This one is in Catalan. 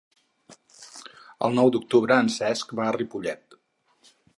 El nou d'octubre en Cesc va a Ripollet.